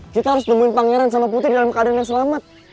kita harus nemuin pangeran sama putri dalam keadaan yang selamat